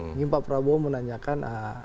ini pak prabowo menanyakan